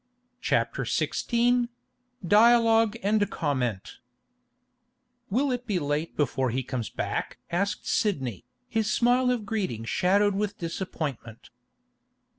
CHAPTER XVI DIALOGUE AND COMMENT 'Will it be late before he comes back?' asked Sidney, his smile of greeting shadowed with disappointment.